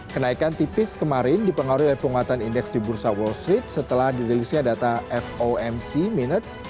kenaikan tipis kemarin dipengaruhi oleh penguatan indeks di bursa wall street setelah dirilisnya data fomc minutes